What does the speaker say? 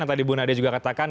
yang tadi bu nadia juga katakan